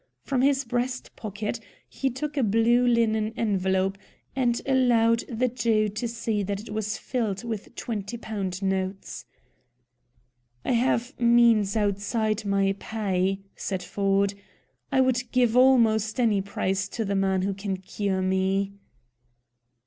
From his breast pocket he took a blue linen envelope, and allowed the Jew to see that it was filled with twenty pound notes. "I have means outside my pay," said Ford. "I would give almost any price to the man who can cure me."